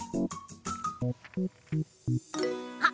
あっ！